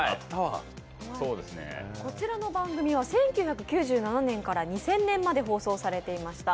こちらの番組は１９９７年から２０００年まで放送されていました。